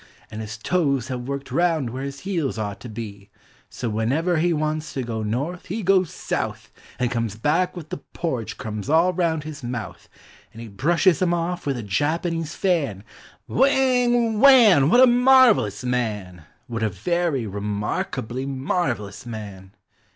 And his toes have worked round where his heels ought to be. So whenever he wants to go North he goes South, And comes back with the porridge crumbs all round his mouth, And he brushes them off with a Japanese fan, Whing! Whaun ! What a marvellous man ! What a very remarkably marvellous man!